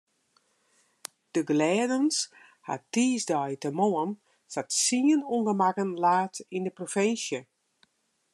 De glêdens hat tiissdeitemoarn ta tsien ûngemakken laat yn de provinsje.